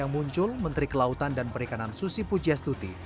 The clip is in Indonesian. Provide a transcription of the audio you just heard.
menteri kelautan dan perikanan susi pujiastuti